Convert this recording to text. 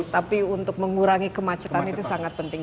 tapi untuk mengurangi kemacetan itu sangat penting